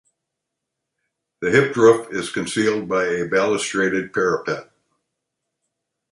The hipped roof is concealed by a balustraded parapet.